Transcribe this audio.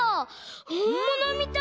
ほんものみたい。